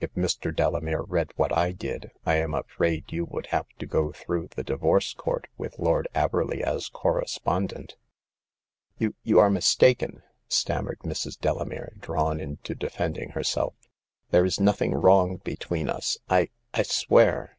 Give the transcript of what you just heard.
If Mr. Delamere read what I did, I am afraid you would have to go through the Divorce Court with Lord Averley as co respondent." You — you are mistaken," stammered Mrs. Delamere, drawn into defending herself. " There is nothing wrong between us, I — I swear."